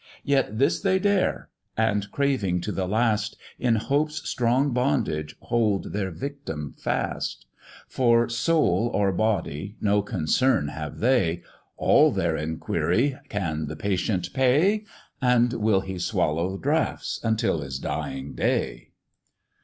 Yet this they dare, and craving to the last, In hope's strong bondage hold their victim fast: For soul or body no concern have they, All their inquiry, "Can the patient pay? "And will he swallow draughts until his dying day?"